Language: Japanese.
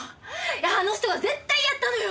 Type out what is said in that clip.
あの人が絶対やったのよ！